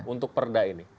untuk perda ini